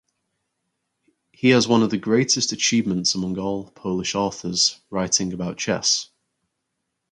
He has one of the greatest achievements among all Polish authors writing about chess.